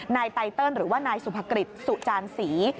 ไตเติลหรือว่านายสุภกฤษสุจานศรี